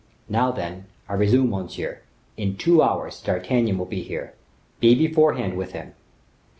Now then, I resume, monsieur; in two hours D'Artagnan will be here; be beforehand with him.